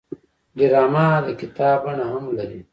ډرامه د کتاب بڼه هم لري